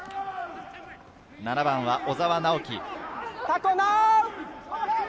７番は小澤直輝。